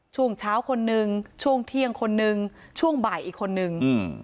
ช่วงเช้าคนนึงช่วงเที่ยงคนนึงช่วงบ่ายอีกคนนึงอืม